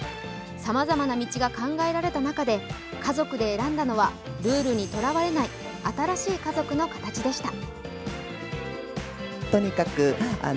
さまざまな道が考えられた中で家族で選んだのはルールにとらわれない新しい家族の形でした。